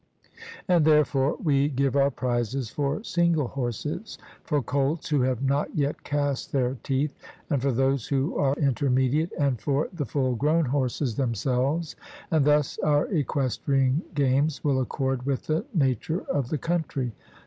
And therefore we give our prizes for single horses for colts who have not yet cast their teeth, and for those who are intermediate, and for the full grown horses themselves; and thus our equestrian games will accord with the nature of the country.